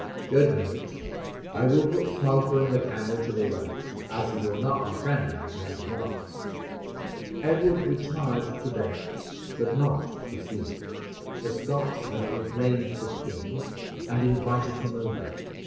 Good night; I will put Smoker in the kennel to the right, as he will not be friendly with the other dogs." Edward retired to bed, but not to sleep. The Scots had proclaimed the king, and invited him over.